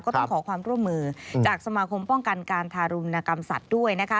ต้องขอความร่วมมือจากสมาคมป้องกันการทารุณกรรมสัตว์ด้วยนะคะ